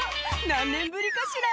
「何年ぶりかしら？